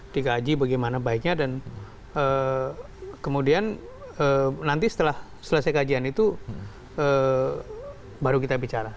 dikaji bagaimana baiknya dan kemudian nanti setelah selesai kajian itu baru kita bicara